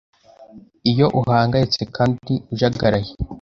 iyo uhangayitse kandi ujagaraye,